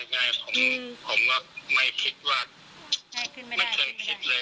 ใช่ผมก็ไม่คิดว่าไม่เคยคิดเลยแบบนี้เลย